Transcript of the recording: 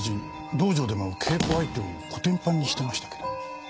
道場でも稽古相手をこてんぱんにしてましたけど。